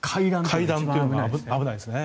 階段というのが危ないですね。